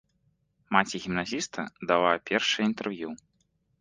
Маці гімназіста дала першае інтэрв'ю.